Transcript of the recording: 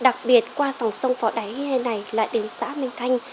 đặc biệt qua sòng sông phó đáy này là đến xã minh thanh